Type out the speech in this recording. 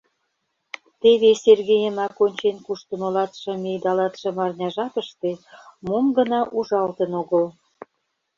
Теве Сергейымак ончен куштымо латшым ий да латшым арня жапыште мом гына ужалтын огыл.